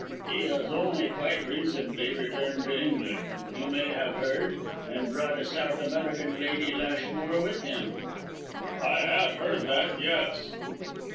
"He has only quite recently returned to England you may have heard? and brought a South American Lady Lashmore with him." "I had heard that, yes."